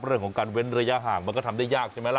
เรื่องของการเว้นระยะห่างมันก็ทำได้ยากใช่ไหมล่ะ